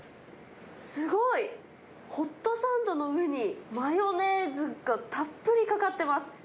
すごい、ホットサンドの上に、マヨネーズがたっぷりかかってます。